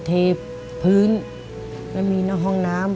เทพื้นแล้วมีหน้าห้องน้ำ